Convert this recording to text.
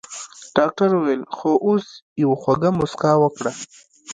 ډاکټر وويل خو اوس يوه خوږه مسکا وکړه.